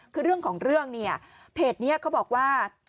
คือเรื่องของเรื่องเนี่ยเพจนี้เขาบอกว่า